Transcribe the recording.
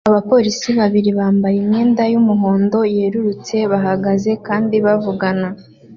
Abapolisi babiri bambaye imyenda yumuhondo yerurutse bahagaze kandi bavugana